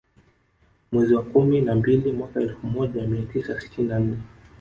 Mwezi wa kumi na mbili mwaka Elfu moja mia tisa sitini na nne